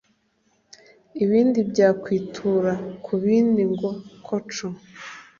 Ibindi byakwitura ku bindi ngo koco